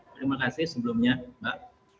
terima kasih sebelumnya mbak